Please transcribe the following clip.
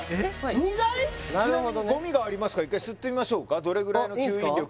ちなみにゴミがありますから１回吸ってみましょうかあっいいんすか？